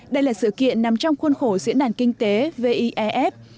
đây là sự kiện nằm trong khuôn khổ diễn đàn kinh tế vief